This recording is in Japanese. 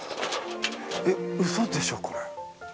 えっうそでしょこれ。